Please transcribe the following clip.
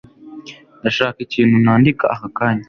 Ndashaka ikintu nandika aka kanya.